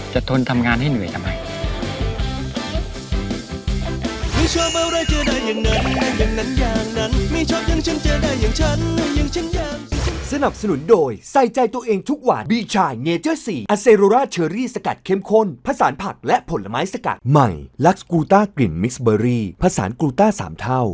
ทนทำงานให้เหนื่อยทำไม